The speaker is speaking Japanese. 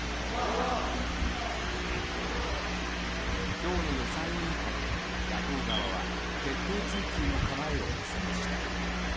今日の予算委員会で野党側は徹底追及の構えを見せました。